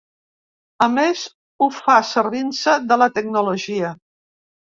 A més, ho fa servint-se de la tecnologia.